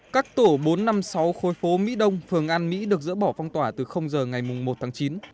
các tổ bốn trăm năm mươi sáu khối phố mỹ đông phường an mỹ được dỡ bỏ phong tỏa từ giờ ngày một tháng chín